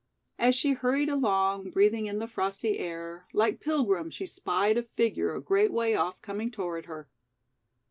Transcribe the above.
As she hurried along, breathing in the frosty air, like Pilgrim she spied a figure a great way off coming toward her.